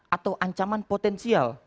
atau ancaman potensial